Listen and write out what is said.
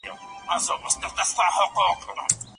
موږ باید په خپلو ځوانانو باور وکړو.